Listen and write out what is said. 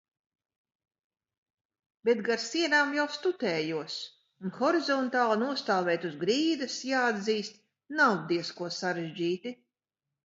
Bet gar sienām jau stutējos un horizontāli nostāvēt uz grīdas, jāatzīst, nav diezko sarežģīti.